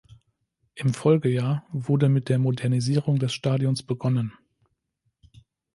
Im Folgejahr wurde mit der Modernisierung des Stadions begonnen.